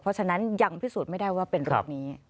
เพราะฉะนั้นยังพิสูจน์ไม่ได้ว่าเป็นโรคนี้